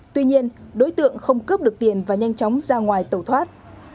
tuy nhiên đối tượng không cướp được tiền và nhanh chóng ra ngoài tẩu thoát